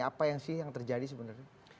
apa yang terjadi sebenarnya